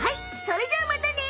それじゃあまたね。